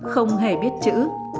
không hề biết chữ